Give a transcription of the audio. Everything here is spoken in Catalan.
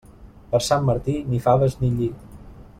Per Sant Martí, ni faves ni lli.